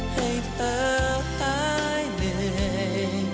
ให้เธอหายเหนื่อย